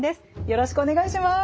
よろしくお願いします。